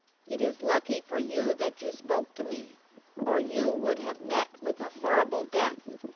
"It is lucky for you that you spoke to me or you would have met with a horrible death.